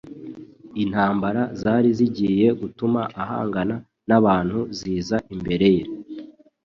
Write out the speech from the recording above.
Intambara zari zigiye gutuma ahangana n'abantu, ziza imbere ye.